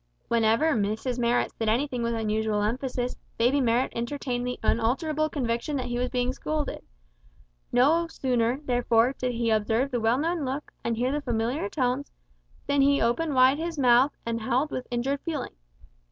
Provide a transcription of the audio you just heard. Whenever Mrs Marrot said anything with unusual emphasis, baby Marrot entertained the unalterable conviction that he was being scolded; no sooner, therefore, did he observe the well known look, and hear the familiar tones, than he opened wide his mouth and howled with injured feeling.